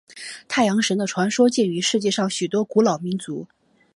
太阳神的传说见于世界上许多的古老民族。